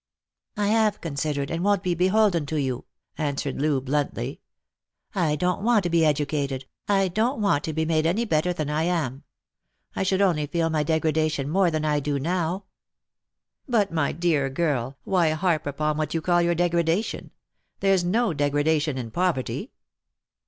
" I have considered, and won't be beholden to you," answered Loo bluntly. " I don't want to be educated ; I don't want to be made any better than I am. I should only feel my degrada tion more than I do now." "But, my dear girl, why harp upon what you call your degradation ? There's no degradation in poverty."